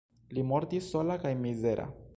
Li mortis sola kaj mizera.